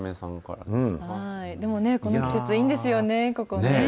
でもね、この季節、いいんですよね、ここね。